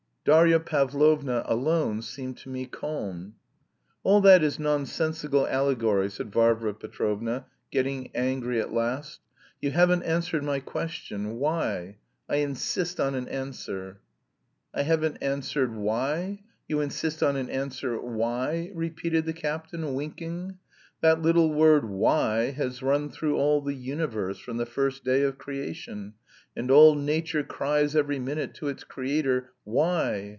Darya Pavlovna alone seemed to me calm. "All that is nonsensical allegory," said Varvara Petrovna, getting angry at last. "You haven't answered my question, why? I insist on an answer." "I haven't answered, why? You insist on an answer, why?" repeated the captain, winking. "That little word 'why' has run through all the universe from the first day of creation, and all nature cries every minute to it's Creator, 'why?'